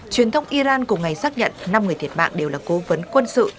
truyền thông iran cùng ngày xác nhận năm người thiệt mạng đều là cố vấn quân sự